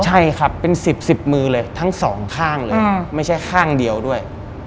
ใช่ครับเป็น๑๐๑๐มือเลยทั้งสองข้างเลยไม่ใช่ข้างเดียวด้วย